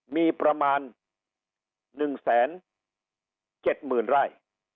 มีประมาณ๑๗๐๐ไร่